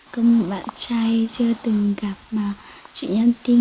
công bạn trai chưa từng gặp mà chị nhắn tin